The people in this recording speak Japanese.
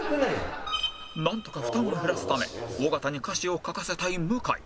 なんとか負担を減らすため尾形に歌詞を書かせたい向井